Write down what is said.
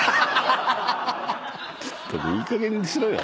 ちょっといいかげんにしろよ